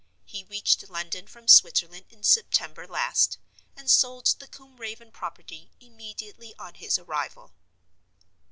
He reached London from Switzerland in September last; and sold the Combe Raven property immediately on his arrival.